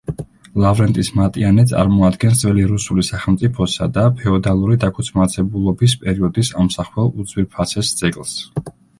ლავრენტის მატიანე წარმოადგენს ძველი რუსული სახელმწიფოსა და ფეოდალური დაქუცმაცებულობის პერიოდის ამსახველ უძვირფასეს ძეგლს.